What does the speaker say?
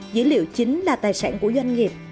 dữ liệu chính là tài sản của doanh nghiệp